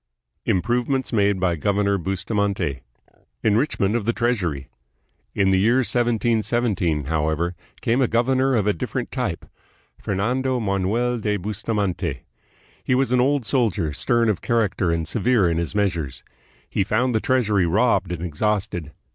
Improvements Made by Governor Bustamante. En richment of the Treasury In the year 1717, however, came a governor of a different type, Fernando Manuel de Bustamante. He was an old soldier, stern of character and severe in his measures. He found the treasury robbed and exhausted.